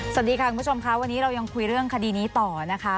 สวัสดีค่ะคุณผู้ชมค่ะวันนี้เรายังคุยเรื่องคดีนี้ต่อนะคะ